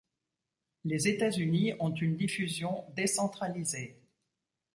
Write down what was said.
Les États-Unis ont une diffusion décentralisée.